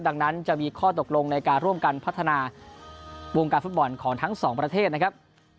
ดังนั้นจะมีข้อตกลงในการร่วมกันพัฒนาวงการฟุตบอลของทั้งสองประเทศนะครับ